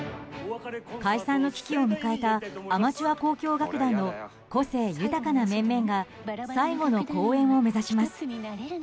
解散の危機を迎えたアマチュア交響楽団の個性豊かな面々が最後の公演を目指します。